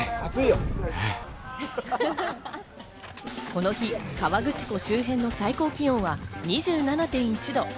この日、河口湖周辺の最高気温は２７．１度。